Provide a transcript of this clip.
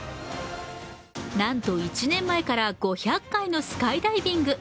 なんと１年前から５００回のスカイダイビング。